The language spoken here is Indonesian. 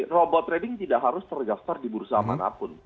robot trading tidak harus terdaftar di bursa manapun